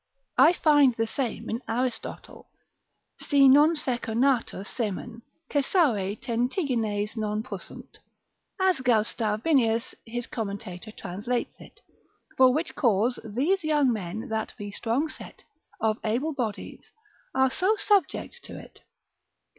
I find the same in Aristot. sect. 4. prob. 17. si non secernatur semen, cessare tentigines non possunt, as Gaustavinius his commentator translates it: for which cause these young men that be strong set, of able bodies, are so subject to it.